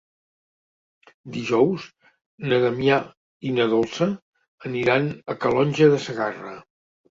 Dijous na Damià i na Dolça aniran a Calonge de Segarra.